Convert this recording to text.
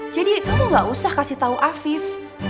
jadi kamu gak usah kasih tau afif